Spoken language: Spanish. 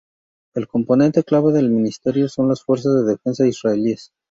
El componente clave del Ministerio son las Fuerzas de Defensa Israelíes.